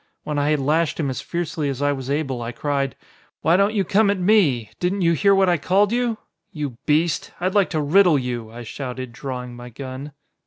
When I had lashed him as fiercely as I was able I cried: "Why don't you come at me? Didn't you hear what I called you? You beast! I'd like to riddle you!" I shouted, drawing my gun.